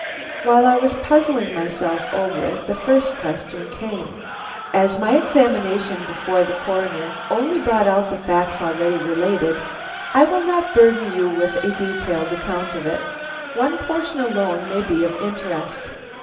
While I was puzzling myself over it, the first question came. As my examination before the Coroner only brought out the facts already related, I will not burden you with a detailed account of it. One portion alone may be of interest.